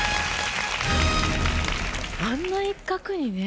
あんな一画にね